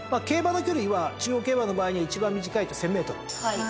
競馬の距離は中央競馬の場合には一番短いと１，０００ｍ。